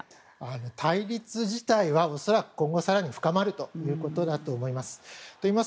対立自体は、恐らく今後、更に深まると思います。